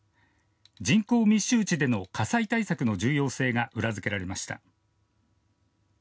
人口密集地での火災対策の重要性が裏付けられました。